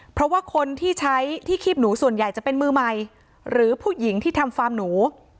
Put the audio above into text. เพราะว่าคนที่ใช้ที่คีบหนูส่วนใหญ่จะเป็นมือใหม่หรือผู้หญิงที่ทำฟาร์มหนู